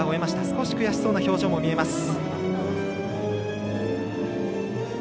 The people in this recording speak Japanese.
少し悔しそうな表情も見えます。